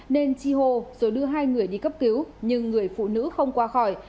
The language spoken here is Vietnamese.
nên chi hô rồi đưa hai người đi cấp cứu nhưng người phụ nữ không qua khỏi